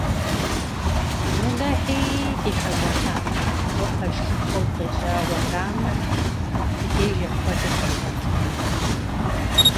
Уэлэхьи, ди хьэщӀэ лъапӀэ, уэ пэж лъыхъуэ укъежьауэ арамэ, ди деж апхуэдэ щумыгъуэтыну.